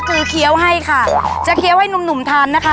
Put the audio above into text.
คือเคี้ยวให้ค่ะจะเคี้ยวให้หนุ่มหนุ่มทานนะคะ